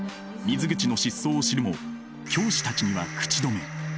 水口の失踪を知るも教師たちには口止め。